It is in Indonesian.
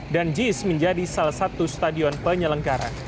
dan jis menjadi salah satu stadion penyelenggaran